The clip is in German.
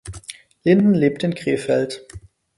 Linden lebt in Krefeld.